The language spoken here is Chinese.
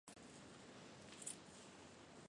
糙叶树是榆科糙叶树属的植物。